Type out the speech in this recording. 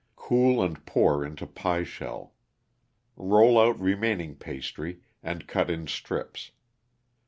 Cool and pour into pie shell. Roll out remaining pastry and cut in strips.